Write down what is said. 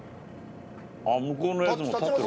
向こうのやつも立ってる。